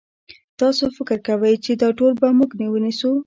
تاسو فکر کوئ چې دا ټول به موږ ونیسو؟